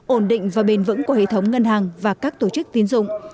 ổn định và bền vững của hệ thống ngân hàng và các tổ chức tín dụng